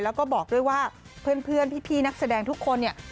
แล้วก็บอกด้วยว่าเพื่อนพี่นักแสดงทุกคนเนี่ย